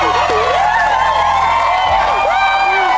ครอบครับ